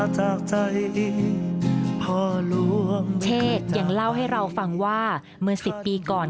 เชศยังเล่าให้เราฟังว่าเหมือน๑๐ปีก่อน